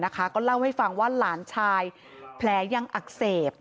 ก็เล่าให้ฟังว่าหลานชายแผลยังอักเสบ